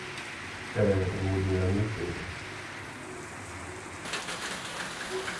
Nhêê... ngu wô dingamú iffundu.